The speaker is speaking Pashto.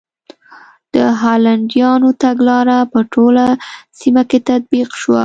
د هالنډیانو تګلاره په ټوله سیمه کې تطبیق شوه.